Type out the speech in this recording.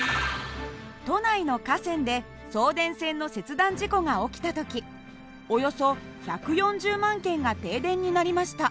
都内の河川で送電線の切断事故が起きた時およそ１４０万軒が停電になりました。